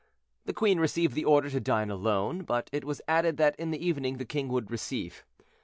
The queen received the order to dine alone, but it was added that in the evening the king would receive.